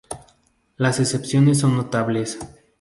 Las excepciones son notables.